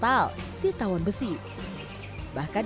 tapi kemudian dia juga mengatakan